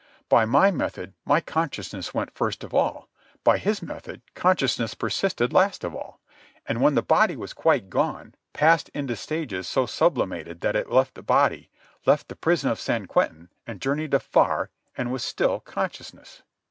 By my method, my consciousness went first of all. By his method, consciousness persisted last of all, and, when the body was quite gone, passed into stages so sublimated that it left the body, left the prison of San Quentin, and journeyed afar, and was still consciousness.